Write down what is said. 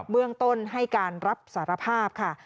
เบื้องต้นให้การรับสารภาพค่ะ